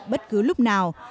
bất cứ lúc nào